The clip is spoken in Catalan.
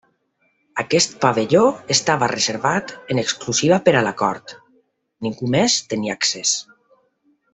Aquest pavelló estava reservat en exclusiva per a la cort, ningú més tenia accés.